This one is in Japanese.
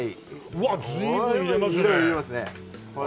うわっ随分入れますね。